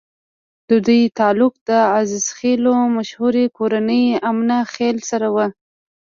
ددوي تعلق د عزيخېلو مشهورې کورنۍ اِمنه خېل سره وو